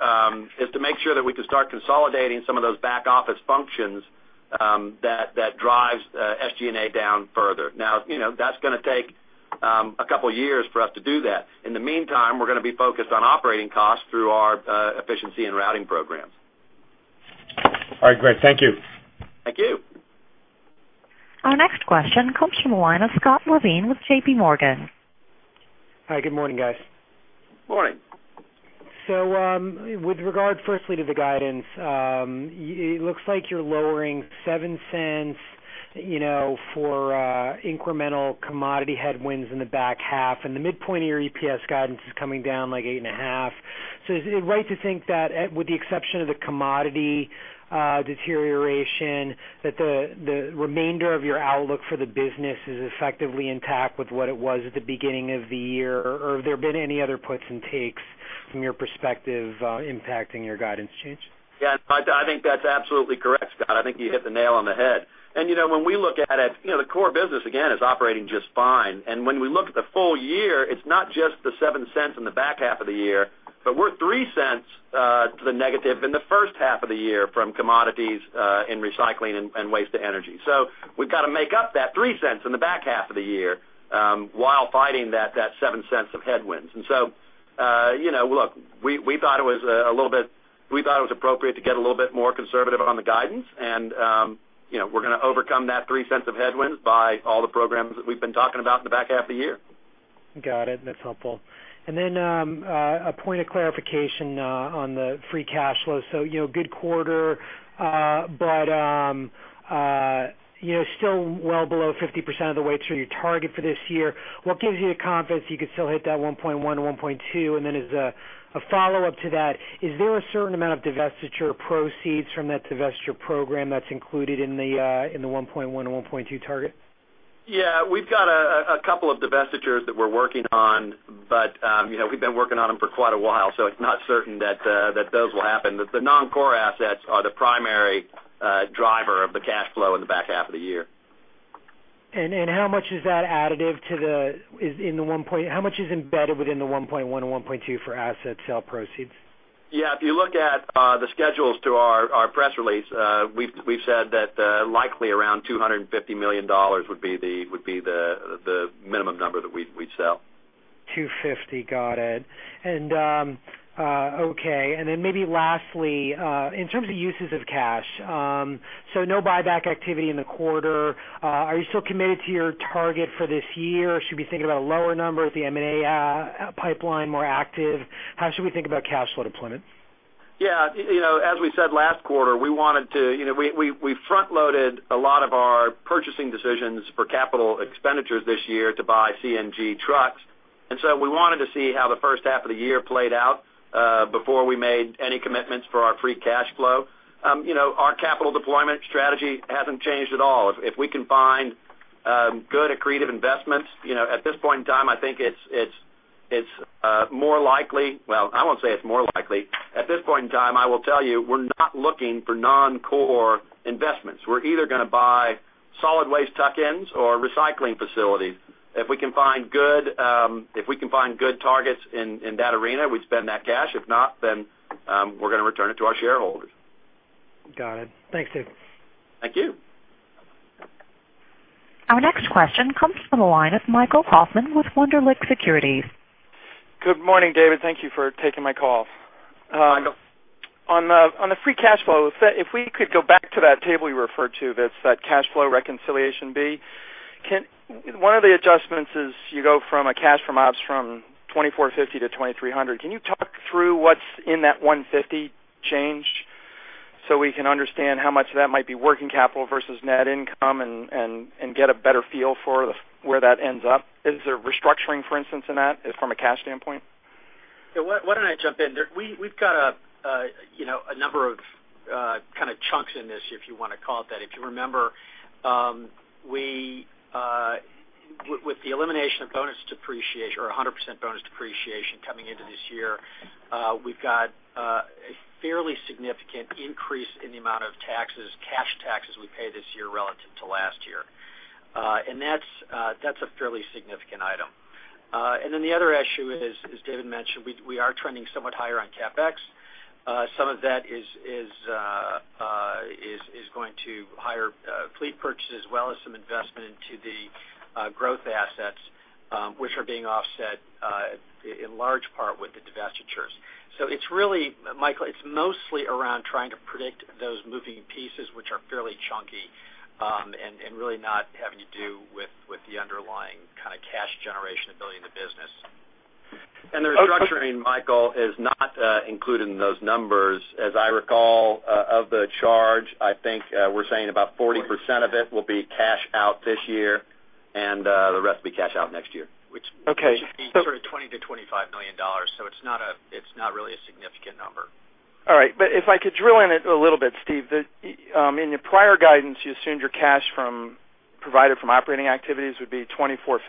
S3: make sure that we can start consolidating some of those back-office functions that drives SG&A down further. That's going to take a couple of years for us to do that. In the meantime, we're going to be focused on operating costs through our efficiency and routing programs.
S9: All right, great. Thank you.
S3: Thank you.
S1: Our next question comes from the line of Scott Levine with JP Morgan.
S10: Hi, good morning, guys.
S3: Morning.
S10: With regard firstly to the guidance, it looks like you're lowering $0.07 for incremental commodity headwinds in the back half, and the midpoint of your EPS guidance is coming down like $0.085. Is it right to think that with the exception of the commodity deterioration, that the remainder of your outlook for the business is effectively intact with what it was at the beginning of the year? Or have there been any other puts and takes from your perspective impacting your guidance change?
S3: I think that's absolutely correct, Scott. I think you hit the nail on the head. When we look at it, the core business again is operating just fine. When we look at the full year, it's not just the $0.07 in the back half of the year, but we're $0.03 to the negative in the first half of the year from commodities in recycling and waste-to-energy. We've got to make up that $0.03 in the back half of the year while fighting that $0.07 of headwinds. We thought it was appropriate to get a little bit more conservative on the guidance, and we're going to overcome that $0.03 of headwinds by all the programs that we've been talking about in the back half of the year.
S10: Got it. That's helpful. Then a point of clarification on the free cash flow. Good quarter but still well below 50% of the way to your target for this year. What gives you the confidence you could still hit that $1.1 billion or $1.2 billion? Then as a follow-up to that, is there a certain amount of divestiture proceeds from that divestiture program that's included in the $1.1 billion or $1.2 billion target?
S3: We've got a couple of divestitures that we're working on, we've been working on them for quite a while, it's not certain that those will happen. The non-core assets are the primary driver of the cash flow in the back half of the year.
S10: How much is embedded within the $1.1 billion or $1.2 billion for asset sale proceeds?
S3: Yeah, if you look at the schedules to our press release, we've said that likely around $250 million would be the minimum number that we'd sell.
S10: $250, got it. Okay, maybe lastly, in terms of uses of cash, no buyback activity in the quarter. Are you still committed to your target for this year, or should we think about a lower number with the M&A pipeline more active? How should we think about cash flow deployment?
S3: Yeah. As we said last quarter, we front-loaded a lot of our purchasing decisions for capital expenditures this year to buy CNG trucks, we wanted to see how the first half of the year played out before we made any commitments for our free cash flow. Our capital deployment strategy hasn't changed at all. If we can find good accretive investments, at this point in time, I think it's more likely Well, I won't say it's more likely. At this point in time, I will tell you we're not looking for non-core investments. We're either going to buy solid waste tuck-ins or recycling facilities. If we can find good targets in that arena, we'd spend that cash. If not, we're going to return it to our shareholders.
S10: Got it. Thanks, Dave.
S3: Thank you.
S1: Our next question comes from the line of Michael Kaufman with Wunderlich Securities.
S11: Good morning, David. Thank you for taking my call.
S3: Michael.
S11: On the free cash flow, if we could go back to that table you referred to that's that cash flow reconciliation B. One of the adjustments is you go from a cash from ops from $2,450 to $2,300. Can you talk through what's in that $150 change? We can understand how much of that might be working capital versus net income and get a better feel for where that ends up. Is there restructuring, for instance, in that from a cash standpoint?
S4: Yeah. Why don't I jump in? We've got a number of kind of chunks in this, if you want to call it that. If you remember, with the elimination of bonus depreciation or 100% bonus depreciation coming into this year, we've got a fairly significant increase in the amount of cash taxes we pay this year relative to last year. That's a fairly significant item. Then the other issue is, as David mentioned, we are trending somewhat higher on CapEx. Some of that is going to higher fleet purchases as well as some investment into the growth assets, which are being offset in large part with the divestitures. It's really, Michael, it's mostly around trying to predict those moving pieces, which are fairly chunky, and really not having to do with the underlying kind of cash generation ability of the business.
S3: The restructuring, Michael, is not included in those numbers. As I recall, of the charge, I think we're saying about 40% of it will be cash out this year and the rest will be cash out next year.
S11: Okay.
S4: Which should be sort of $20 million-$25 million. It's not really a significant number.
S11: All right. If I could drill in it a little bit, Steve. In your prior guidance, you assumed your cash provided from operating activities would be $2.450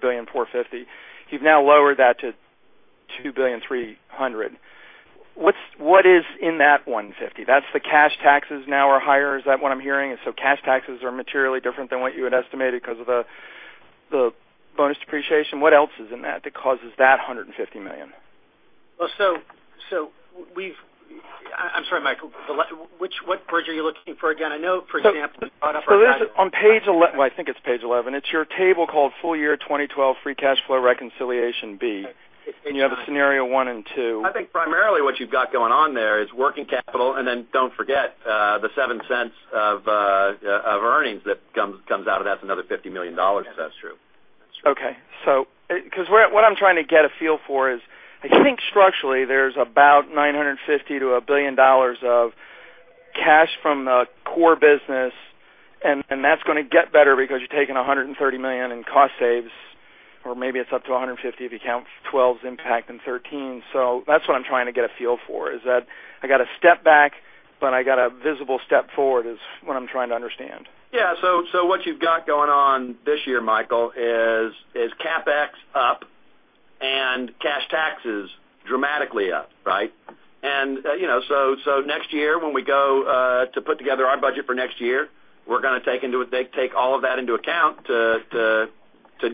S11: billion. You've now lowered that to $2.300 billion. What is in that $150? That's the cash taxes now are higher, is that what I'm hearing? Cash taxes are materially different than what you had estimated because of the bonus depreciation. What else is in that that causes that $150 million?
S4: Well, I'm sorry, Michael. What bridge are you looking for again? I know, for example, you brought up our guide-
S11: It is on page 11. Well, I think it's page 11. It's your table called full year 2012 free cash flow reconciliation B, you have a scenario one and two.
S3: I think primarily what you've got going on there is working capital, then don't forget, the $0.07 of earnings that comes out of that, another $50 million. That's true.
S11: Okay. What I'm trying to get a feel for is, I think structurally there's about $950 million to $1 billion of cash from the core business, that's going to get better because you're taking $130 million in cost saves, or maybe it's up to $150 million if you count 2012's impact in 2013. That's what I'm trying to get a feel for, is that I got a step back, I got a visible step forward is what I'm trying to understand.
S3: Yeah. What you've got going on this year, Michael, is CapEx up and cash taxes dramatically up, right? Next year when we go to put together our budget for next year, we're going to take all of that into account to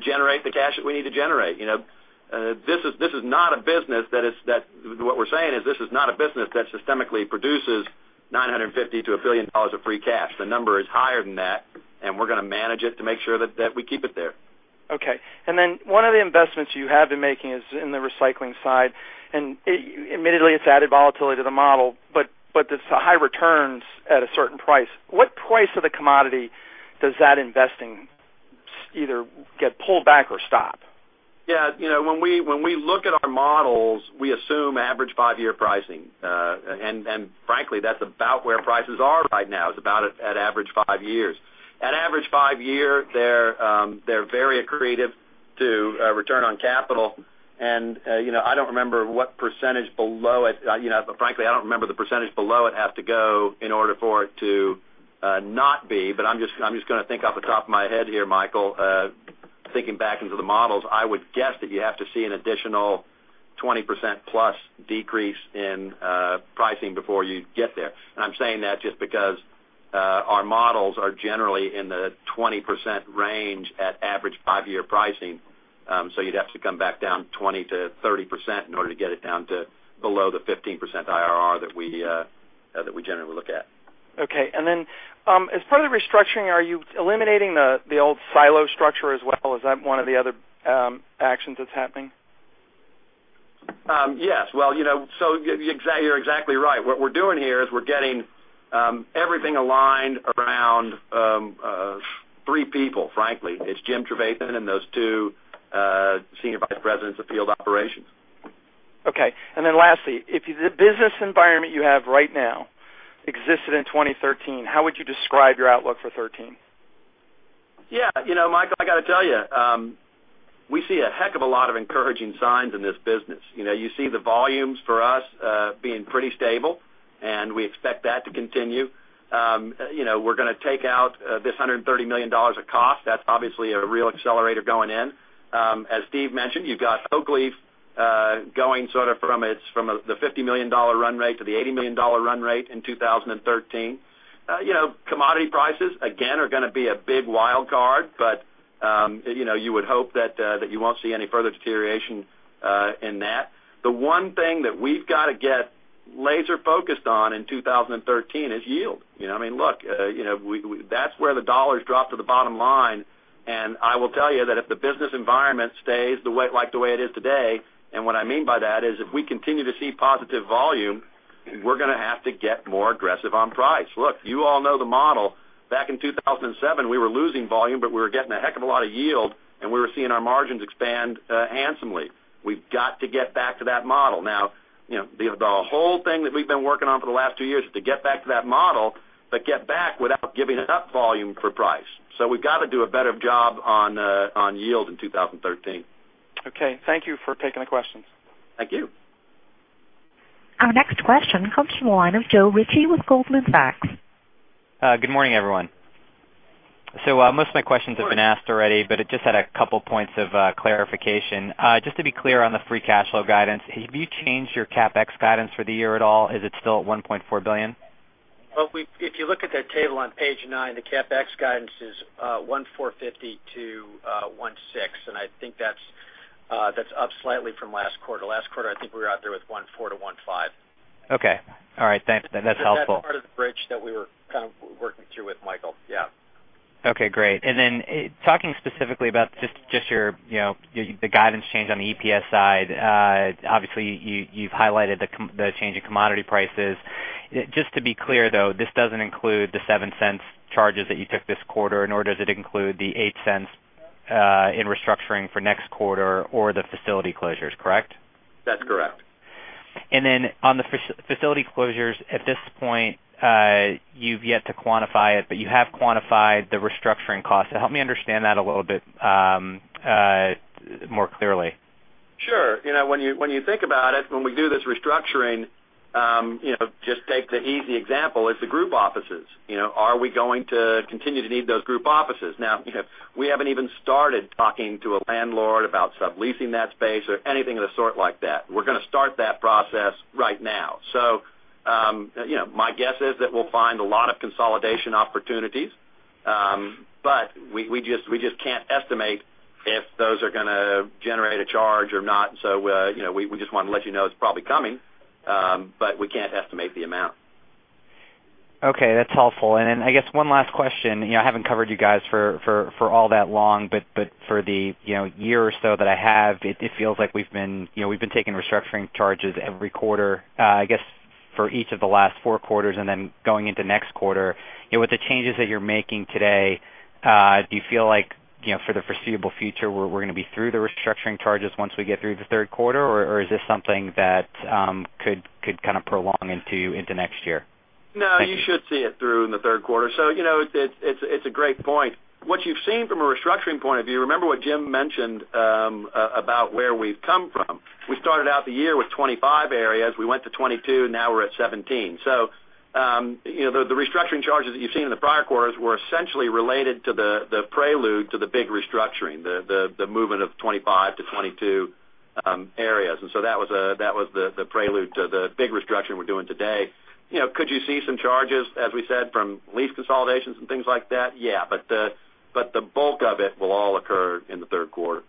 S3: generate the cash that we need to generate. What we're saying is this is not a business that systemically produces $950-$1 billion of free cash. The number is higher than that, and we're going to manage it to make sure that we keep it there.
S11: Okay. One of the investments you have been making is in the recycling side, and admittedly, it's added volatility to the model, but there's high returns at a certain price. What price of the commodity does that investing either get pulled back or stop?
S3: Yeah. When we look at our models, we assume average five-year pricing. Frankly, that's about where prices are right now, is about at average five years. At average five year, they're very accretive to return on capital. Frankly, I don't remember the percentage below it have to go in order for it to not be, but I'm just going to think off the top of my head here, Michael. Thinking back into the models, I would guess that you have to see an additional 20% plus decrease in pricing before you get there. I'm saying that just because our models are generally in the 20% range at average five-year pricing. You'd have to come back down 20%-30% in order to get it down to below the 15% IRR that we generally look at.
S11: Okay. Then, as part of the restructuring, are you eliminating the old silo structure as well? Is that one of the other actions that's happening?
S3: Yes. You're exactly right. What we're doing here is we're getting everything aligned around three people, frankly. It's Jim Trevathan and those two Senior Vice Presidents of field operations.
S11: Okay. Lastly, if the business environment you have right now existed in 2013, how would you describe your outlook for 2013?
S3: Yeah. Michael, I got to tell you, we see a heck of a lot of encouraging signs in this business. You see the volumes for us being pretty stable, and we expect that to continue. We're going to take out this $130 million of cost. That's obviously a real accelerator going in. As Steve mentioned, you've got Oakleaf going sort of from the $50 million run rate to the $80 million run rate in 2013. Commodity prices, again, are going to be a big wild card, but you would hope that you won't see any further deterioration in that. The one thing that we've got to get laser focused on in 2013 is yield. Look, that's where the dollars drop to the bottom line, and I will tell you that if the business environment stays like the way it is today, and what I mean by that is if we continue to see positive volume, we're going to have to get more aggressive on price. Look, you all know the model. Back in 2007, we were losing volume, but we were getting a heck of a lot of yield, and we were seeing our margins expand handsomely. We've got to get back to that model. The whole thing that we've been working on for the last two years is to get back to that model, but get back without giving up volume for price. We've got to do a better job on yield in 2013.
S11: Okay. Thank you for taking the questions.
S3: Thank you.
S1: Our next question comes from the line of Joe Ritchie with Goldman Sachs.
S12: Good morning, everyone. Most of my questions have been asked already, but I just had a couple points of clarification. Just to be clear on the free cash flow guidance, have you changed your CapEx guidance for the year at all? Is it still at $1.4 billion?
S4: Well, if you look at that table on Page nine, the CapEx guidance is $1.45 billion to $1.6 billion, and I think that's up slightly from last quarter. Last quarter, I think we were out there with $1.4 billion to $1.5 billion.
S12: Okay. All right. Thanks. That's helpful.
S4: That's part of the bridge that we were kind of working through with Michael. Yeah.
S12: Okay, great. Talking specifically about just the guidance change on the EPS side. Obviously, you've highlighted the change in commodity prices. Just to be clear, though, this doesn't include the $0.07 charges that you took this quarter, nor does it include the $0.08 in restructuring for next quarter or the facility closures, correct?
S4: That's correct.
S12: On the facility closures, at this point, you've yet to quantify it, but you have quantified the restructuring cost. Help me understand that a little bit more clearly.
S4: Sure. When you think about it, when we do this restructuring, just take the easy example, it's the group offices. Are we going to continue to need those group offices? We haven't even started talking to a landlord about subleasing that space or anything of the sort like that. We're going to start that process right now. My guess is that we'll find a lot of consolidation opportunities. We just can't estimate if those are going to generate a charge or not. We just want to let you know it's probably coming, but we can't estimate the amount.
S12: Okay, that's helpful. I guess one last question. I haven't covered you guys for all that long, but for the year or so that I have, it feels like we've been taking restructuring charges every quarter, I guess, for each of the last four quarters and then going into next quarter. With the changes that you're making today, do you feel like, for the foreseeable future, we're going to be through the restructuring charges once we get through the third quarter, or is this something that could kind of prolong into next year?
S4: No, you should see it through in the third quarter. It's a great point. What you've seen from a restructuring point of view, remember what Jim mentioned about where we've come from. We started out the year with 25 areas. We went to 22. Now we're at 17. The restructuring charges that you've seen in the prior quarters were essentially related to the prelude to the big restructuring, the movement of 25 to 22 areas. That was the prelude to the big restructuring we're doing today. Could you see some charges, as we said, from lease consolidations and things like that? Yeah. The bulk of it will all occur in the third quarter.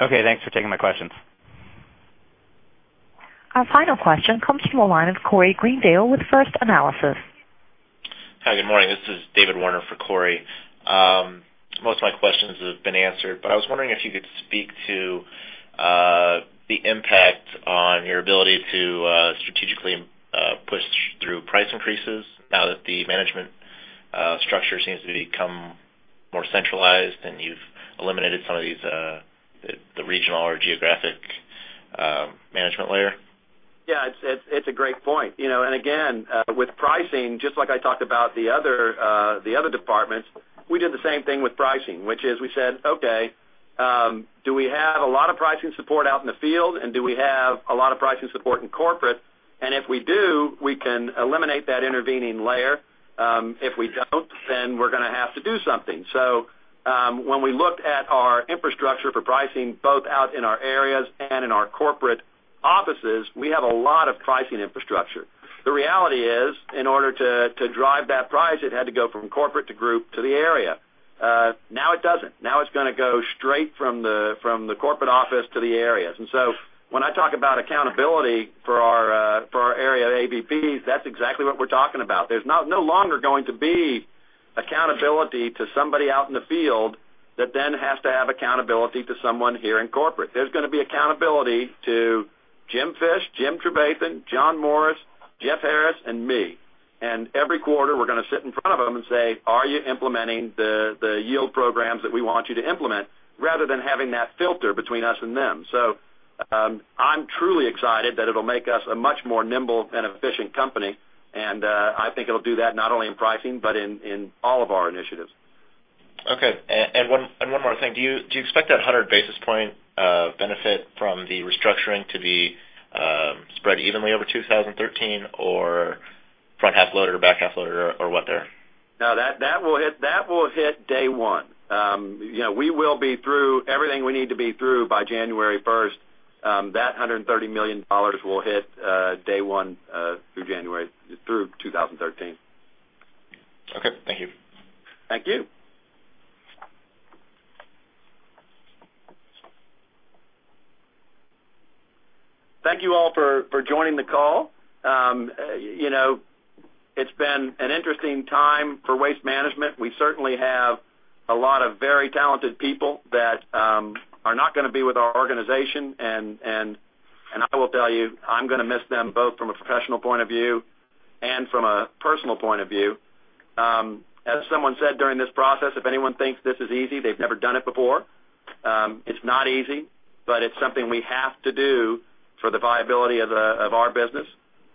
S12: Okay, thanks for taking my questions.
S1: Our final question comes from the line of Corey Greendale with First Analysis.
S13: Hi. Good morning. This is David Warner for Corey. Most of my questions have been answered, I was wondering if you could speak to the impact on your ability to strategically push through price increases now that the management structure seems to become more centralized and you've eliminated some of the regional or geographic management layer.
S3: Yeah, it's a great point. Again, with pricing, just like I talked about the other departments, we did the same thing with pricing, which is we said, okay, do we have a lot of pricing support out in the field? Do we have a lot of pricing support in corporate? If we do, we can eliminate that intervening layer. If we don't, then we're going to have to do something. When we looked at our infrastructure for pricing, both out in our areas and in our corporate offices, we have a lot of pricing infrastructure. The reality is, in order to drive that price, it had to go from corporate to group to the area. Now it doesn't. Now it's going to go straight from the corporate office to the areas. When I talk about accountability for our area AVPs, that's exactly what we're talking about. There's no longer going to be accountability to somebody out in the field that then has to have accountability to someone here in corporate. There's going to be accountability to Jim Fish, Jim Trevathan, John Morris, Jeff Harris, and me. Every quarter, we're going to sit in front of them and say, "Are you implementing the yield programs that we want you to implement?" Rather than having that filter between us and them. I'm truly excited that it'll make us a much more nimble and efficient company, and I think it'll do that not only in pricing, but in all of our initiatives.
S13: Okay. One more thing. Do you expect that 100 basis point benefit from the restructuring to be spread evenly over 2013 or front half loaded or back half loaded or what there?
S3: No, that will hit day one. We will be through everything we need to be through by January 1st. That $130 million will hit day one through January, through 2013.
S13: Okay. Thank you.
S3: Thank you. Thank you all for joining the call. It's been an interesting time for Waste Management. We certainly have a lot of very talented people that are not going to be with our organization. I will tell you, I'm going to miss them both from a professional point of view and from a personal point of view. As someone said during this process, if anyone thinks this is easy, they've never done it before. It's not easy, it's something we have to do for the viability of our business.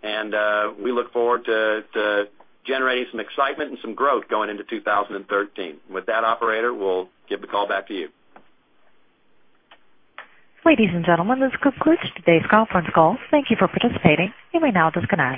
S3: We look forward to generating some excitement and some growth going into 2013. With that, operator, we'll give the call back to you.
S1: Ladies and gentlemen, this concludes today's conference call. Thank you for participating. You may now disconnect.